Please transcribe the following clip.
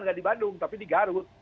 nggak di bandung tapi di garut